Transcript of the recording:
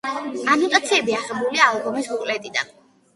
ანოტაციები აღებულია ალბომის ბუკლეტიდან.